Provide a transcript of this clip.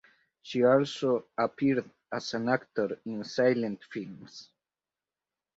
She also appeared as an actor in silent films.